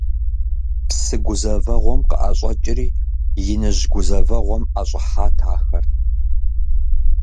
Псы гузэвэгъуэм къыӀэщӀэкӀри иныжь гузэвэгъуэм ӀэщӀыхьат ахэр.